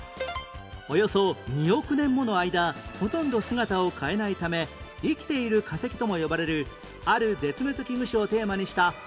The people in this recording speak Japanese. およそ２億年もの間ほとんど姿を変えないため生きている化石とも呼ばれるある絶滅危惧種をテーマにした博物館